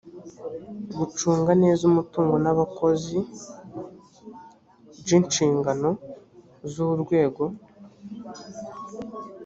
gucunga neza umutungo n’abakozi nj inshingano z’urwego